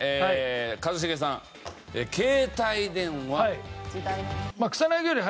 一茂さん携帯電話。